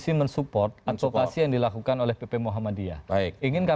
itu harus diserahkan ke keluarga